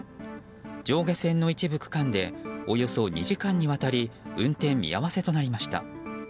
上下線の一部区間でおよそ２時間にわたり運転見合わせとなりました。